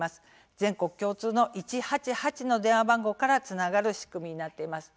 全国共通の１８８の電話番号からつながる仕組みになっています。